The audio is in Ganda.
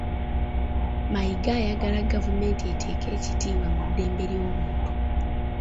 Mayiga ayagala gavumenti eteeke ekitiibwa mu ddembe ly'obuntu.